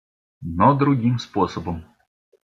Но другим способом!